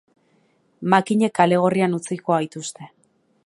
Makinek kale gorrian utziko gaituzte.